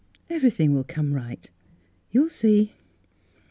Everything will come right. You'll see